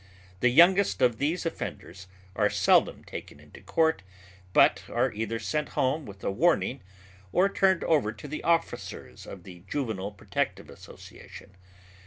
The youngest of these offenders are seldom taken into court but are either sent home with a warning or turned over to the officers of the Juvenile Protective Association.